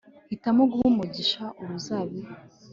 hitamo, guha umugisha uruzabibu